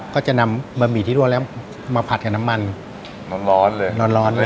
ก็จะนำบะหมี่ที่รั่วแล้วมาผัดกับน้ำมันร้อนร้อนเลยร้อนร้อนเลย